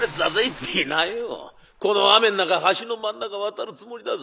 「見なよこの雨ん中橋の真ん中渡るつもりだぜ」。